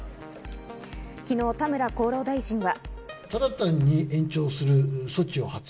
昨日、田村厚労大臣は。